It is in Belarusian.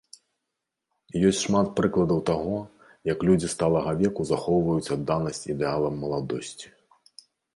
Ёсць шмат прыкладаў таго, як людзі сталага веку захоўваюць адданасць ідэалам маладосці.